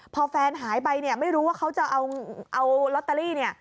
พอแฟนหายไปไม่รู้ว่าเขาจะเอาลอตเตอรี่